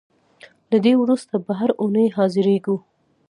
له دې وروسته به هر اوونۍ حاضرېږو.